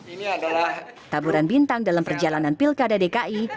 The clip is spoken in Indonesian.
ini adalah taburan bintang dalam perjalanan pilkada dki